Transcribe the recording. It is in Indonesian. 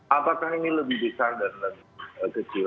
apakah ini lebih besar dan lebih kecil